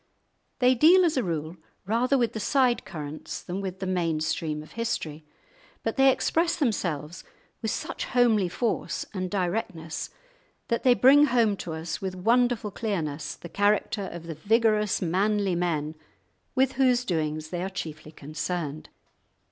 They deal as a rule rather with the side currents than with the main stream of history; but they express themselves with such homely force and directness that they bring home to us with wonderful clearness the character of the vigorous manly men with whose doings they are chiefly concerned.